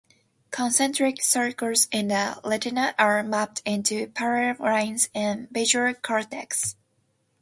Concentric circles in the retina are mapped into parallel lines in visual cortex.